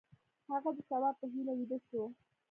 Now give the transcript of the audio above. هغه د سبا په هیله ویده شو.